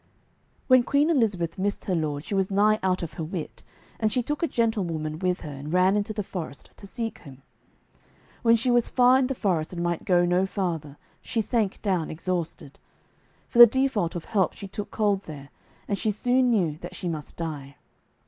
When Queen Elizabeth missed her lord she was nigh out of her wit, and she took a gentlewoman with her and ran into the forest to seek him. When she was far in the forest and might go no farther, she sank down exhausted. For the default of help she took cold there, and she soon knew that she must die.